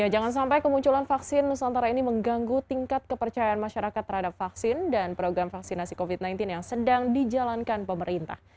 jangan sampai kemunculan vaksin nusantara ini mengganggu tingkat kepercayaan masyarakat terhadap vaksin dan program vaksinasi covid sembilan belas yang sedang dijalankan pemerintah